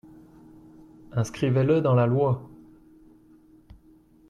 Inscrivez-le dans la loi